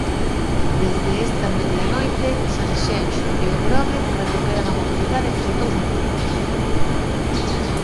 Desde esta medianoite Sanxenxo e O Grove recuperan a mobilidade entre os dous municipios.